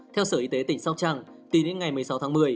theo sở y tế tỉnh sóc trăng tính đến ngày một mươi sáu tháng một mươi